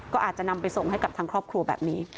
ก็อาจจะนำไปส่งให้กับทางครอบครัวแบบนี้